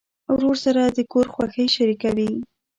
ورور سره د کور خوښۍ شریکوي.